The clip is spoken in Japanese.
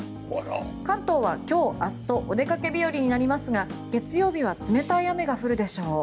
関東は今日明日とお出かけ日和になりますが月曜日は冷たい雨が降るでしょう。